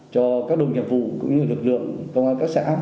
cho các đội nghiệp vụ cũng như lực lượng công an các xã áp